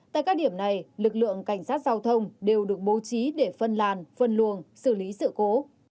tại các điểm này lực lượng cảnh sát giao thông đều được bố trí để phân làn phân luồng xử lý sự cố